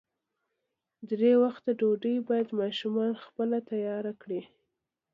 درې وخته ډوډۍ باید ماشومان خپله تیاره کړي.